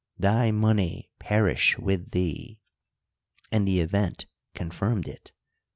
— Thy money perish with thee: and the event confirmed it.